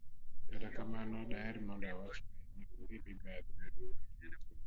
kata kamano, daher mondo awach kae ni onge mibadhi maduong' kata matin